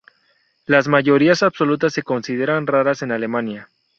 Las mayorías absolutas se consideran raras en Alemania.